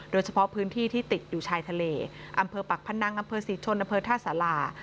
โดยเฉพาะพื้นที่ที่ติดอยู่ชายทะเลอำเภอปักพนังอำเภอศรีชนอำเภอท่าสารา